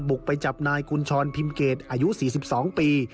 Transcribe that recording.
บุกไปจับนายกุญชรพิมเกตอายุ๔๒ปี